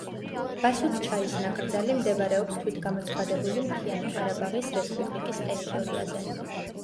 ბასუთჩაის ნაკრძალი მდებარეობს თვითგამოცხადებული მთიანი ყარაბაღის რესპუბლიკის ტერიტორიაზე.